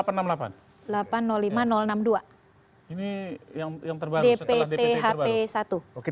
ini yang terbaru setelah dpthp satu